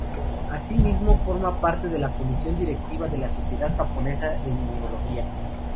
Asimismo forma parte de la Comisión Directiva de la Sociedad japonesa de Inmunología.